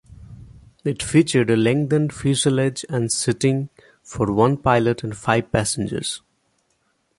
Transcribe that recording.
It featured a lengthened fuselage and seating for one pilot and five passengers.